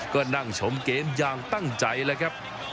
ก็นั่งชมเกมอย่างตั้งใจแล้วครับ